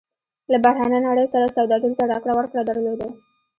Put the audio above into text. له بهرنۍ نړۍ سره سوداګریزه راکړه ورکړه درلوده.